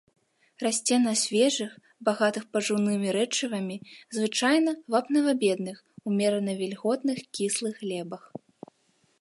Расце на свежых, багатых пажыўнымі рэчывамі, звычайна вапнава-бедных, умерана вільготных кіслых глебах.